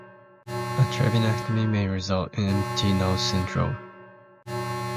A turbinectomy may result in empty nose syndrome.